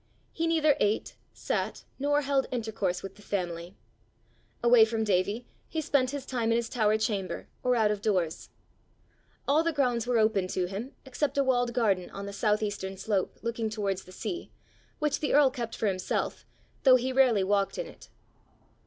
He neither ate, sat, nor held intercourse with the family. Away from Davie, he spent his time in his tower chamber, or out of doors. All the grounds were open to him except a walled garden on the south eastern slope, looking towards the sea, which the earl kept for himself, though he rarely walked in it.